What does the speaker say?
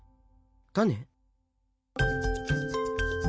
種！？